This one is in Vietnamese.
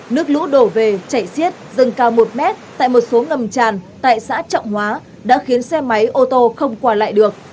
nước lũ đổ về chảy xiết dâng cao một mét tại một số ngầm tràn tại xã trọng hóa đã khiến xe máy ô tô không qua lại được